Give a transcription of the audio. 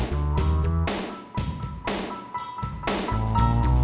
akhirnya sampe reporter kalo ada